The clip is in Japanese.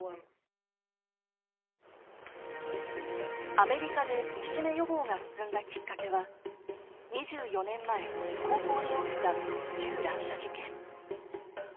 アメリカでいじめ予防が進んだきっかけは２４年前高校で起きた銃乱射事件。